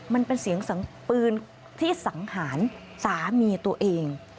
มันเป็นเสียงปืนที่สังหารสามีตัวเอง